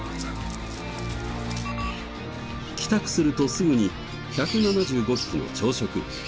帰宅するとすぐに１７５匹の朝食。